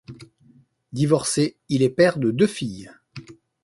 Divorcé, il est père de deux filles.